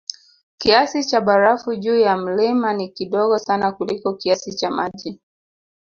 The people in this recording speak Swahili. Kiasi cha barafu juu ya mlima ni kidogo sana kuliko kiasi cha maji